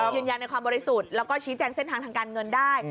ยืนยันในความบริสุทธิ์แล้วก็ชี้แจงเส้นทางทางการเงินได้